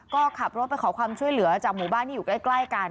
ก็ขับรถไปขอความช่วยเหลือจากหมู่บ้านที่อยู่ใกล้กัน